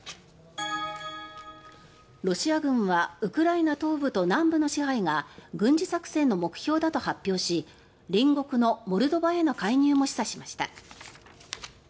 ロシア軍はウクライナ東部と南部の支配が軍事作戦の目標だと発表し隣国のモルドバへの介入も示唆しました。